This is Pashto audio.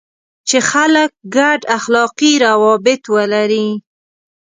چې خلک ګډ اخلاقي روابط ولري.